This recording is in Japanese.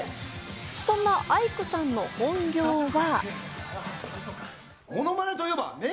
そんなアイクさんの本業は。